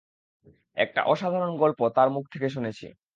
একটা অসাধারণ গল্প তাঁর মুখ থেকে শুনেছি।